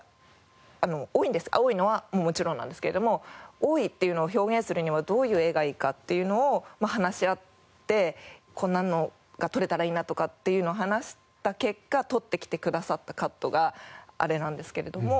多いのはもちろんなんですけれども多いっていうのを表現するにはどういう画がいいかっていうのを話し合ってこんなのが撮れたらいいなとかっていうのを話した結果撮ってきてくださったカットがあれなんですけれども。